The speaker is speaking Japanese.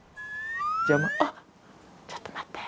あっちょっと待って。